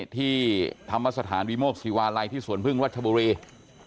ที่ธรรมสถานวิโมกศิวาลัยที่สวนพึ่งรัชบุรี